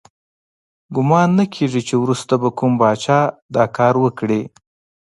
ګمان نه کیږي چې وروسته به کوم پاچا دا کار وکړي.